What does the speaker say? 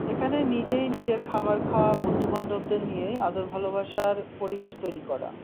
এখানে নিজেই নিজের খাবার খাওয়া, বন্ধুবান্ধবদের নিয়েই আদর-ভালোবাসার পরিবেশ তৈরি করা।